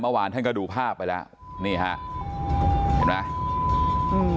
เมื่อวานท่านก็ดูภาพไปแล้วนี่ฮะเห็นไหม